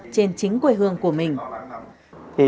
trên chính quê hương của mình